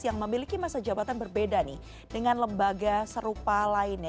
yang memiliki masa jabatan berbeda nih dengan lembaga serupa lainnya